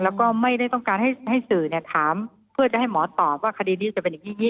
แล้วก็ไม่ได้ต้องการให้สื่อถามเพื่อจะให้หมอตอบว่าคดีนี้จะเป็นอย่างนี้